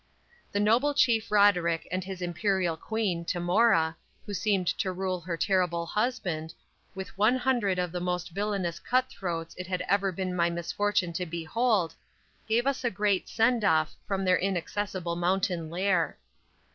The noble chief Roderick and his imperial queen, Tamora, who seemed to rule her terrible husband, with one hundred of the most villainous cut throats it had ever been my misfortune to behold, gave us a "great send off" from their inaccessible mountain lair.